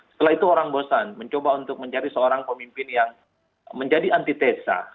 setelah itu orang bosan mencoba untuk mencari seorang pemimpin yang menjadi antitesa